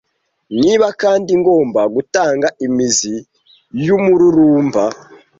niba kandi ngomba gutanga imizi yumururumba